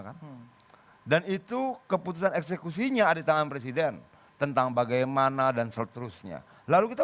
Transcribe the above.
kan dan itu keputusan eksekusinya ada tangan presiden tentang bagaimana dan seterusnya lalu kita